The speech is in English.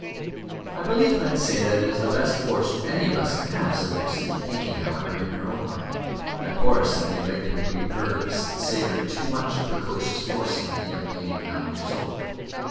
"I believe men say that it is the best fortune any of us can have," said Lucy, thinking, however, in her own mind, that Horace and the irregular Greek verbs savoured too much of precocious forcing in a young lady of nine years old.